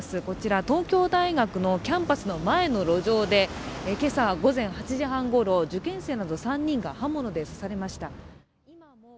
こちら東京大学のキャンパスの前の路上で、今朝午前８時半ごろ、受験生など３人が刃物で刺されました。